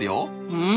うん？